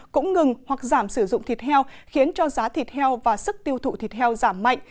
cũng ngừng hoặc giảm sử dụng thịt heo khiến cho giá thịt heo và sức tiêu thụ thịt heo giảm mạnh